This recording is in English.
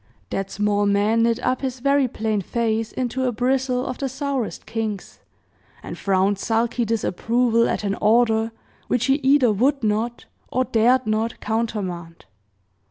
That small man knit up his very plain face into a bristle of the sourest kinks, and frowned sulky disapproval at an order which he either would not, or dared not, countermand.